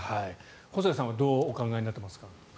細谷さんはどうお考えになってますか。